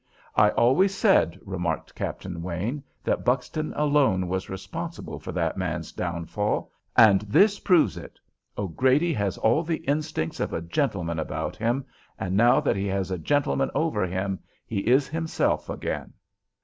"I always said," remarked Captain Wayne, "that Buxton alone was responsible for that man's downfall; and this proves it. O'Grady has all the instincts of a gentleman about him, and now that he has a gentleman over him he is himself again."